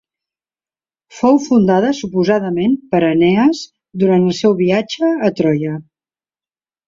Fou fundada suposadament per Enees durant el seu viatge a Troia.